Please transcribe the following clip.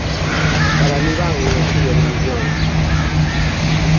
Para alí van unha chuvia de millóns...